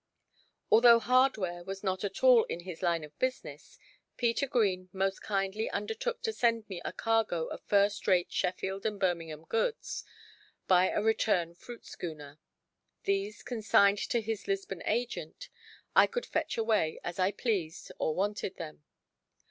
Although hardware was not at all in his line of business, Peter Green most kindly undertook to send me a cargo of first rate Sheffield and Birmingham goods, by a return fruit schooner. These, consigned to his Lisbon agent, I could fetch away, as I pleased, or wanted them.